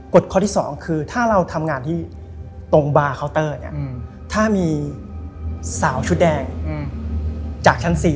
ข้อที่๒คือถ้าเราทำงานที่ตรงบาร์เคาน์เตอร์เนี่ยถ้ามีสาวชุดแดงจากชั้น๔